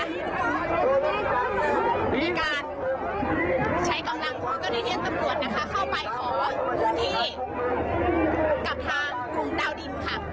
มีการใช้กำลังของเจ้าหน้าที่ตำรวจนะคะเข้าไปขอพื้นที่กับทางกลุ่มดาวดินค่ะ